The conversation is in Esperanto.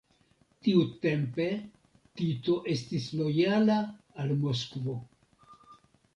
Tiutempe Tito estis lojala al Moskvo.